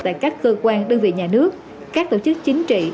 tại các cơ quan đơn vị nhà nước các tổ chức chính trị